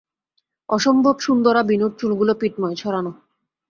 অসম্ভব সুন্দরা বিনুর চুলগুলো পিঠময় ছড়ান।